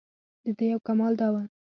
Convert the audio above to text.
دده یو کمال دا و.